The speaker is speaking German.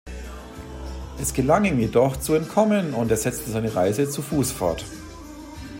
Es gelang ihm jedoch, zu entkommen, und er setzte seine Reise zu Fuß fort.